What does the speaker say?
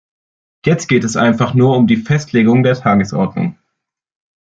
Jetzt geht es einfach nur um die Festlegung der Tagesordnung.